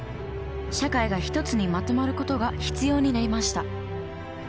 社会が一つにまとまることが必要になりました。